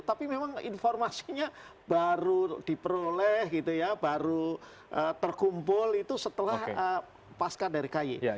tapi memang informasinya baru diperoleh gitu ya baru terkumpul itu setelah pasca dari kay